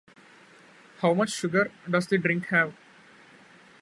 How much sugar does the drink have?